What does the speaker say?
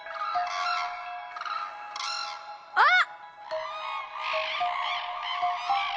あっ！